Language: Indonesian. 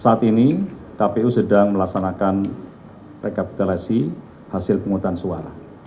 saat ini kpu sedang melaksanakan rekapitulasi hasil pemungutan suara